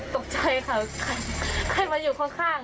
ตกใจค่ะให้มาอยู่ข้าง